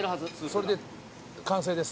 それで完成です。